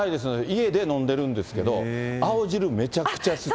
家で飲んでるんですけど、青汁めちゃくちゃ好き。